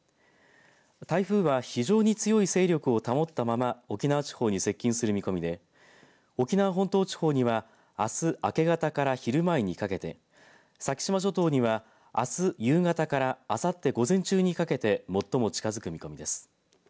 台風は非常に強い勢力を保ったまま沖縄地方に接近する見込みで沖縄本島地方にはあす明け方から昼前にかけて先島諸島にはあす夕方からあさって午前中にかけて最も近づく見込みです。